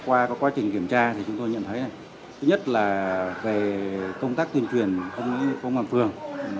qua quá trình kiểm tra thì chúng tôi nhận thấy thứ nhất là về công tác tuyên truyền với công an phường